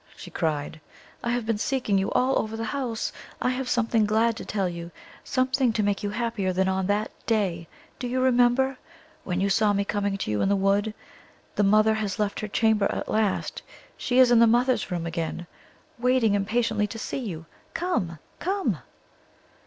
she cried. "I have been seeking you all over the house. I have something glad to tell you something to make you happier than on that day do you remember? when you saw me coming to you in the wood. The mother has left her chamber at last; she is in the Mother's Room again, waiting impatiently to see you. Come, come!"